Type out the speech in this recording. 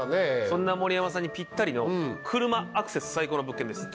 そんな盛山さんにぴったりの車アクセス最高の物件です。